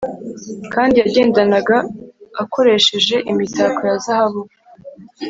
kandi yagendanaga akoresheje imitako ya zahabu,